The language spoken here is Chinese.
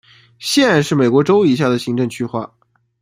县是美国州以下的行政区划。